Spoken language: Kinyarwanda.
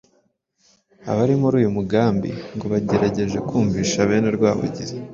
Abari muri uyu mugambi ngo bagerageje kumvisha bene Rwabugili